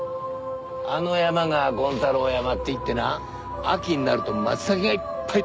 あの山が権太郎山っていってな秋になるとマツタケがいっぱい採れるんだ。